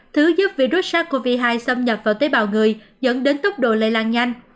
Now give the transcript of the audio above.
thứ giúp virus sars cov hai xâm nhập vào tế bào người dẫn đến tốc độ lây lan nhanh